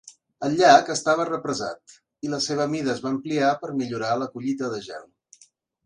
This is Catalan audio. El llac estava represat i la seva mida es va ampliar per millorar la collita de gel.